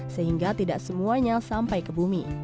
sehingga tidak semuanya sampai ke bumi